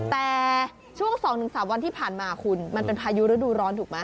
แต่ช่วง๒๓วันที่ผ่านมาคุณมันเป็นพายุฤดูร้อนถูกไหม